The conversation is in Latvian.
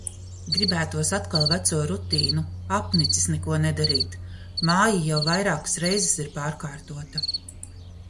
Gribētos atkal veco rutīnu. Apnicis neko nedarīt. Māja jau vairākas reizes ir pārkārtota.